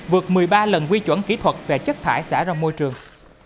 vượt một mươi ba lần quy chuẩn kỹ thuật về chất thải xả ra môi trường